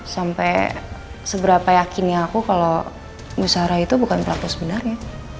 sampai seberapa yakini aku kalau bu sarah itu bukan pelaku sebenarnya